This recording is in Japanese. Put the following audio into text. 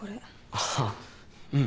ああうん。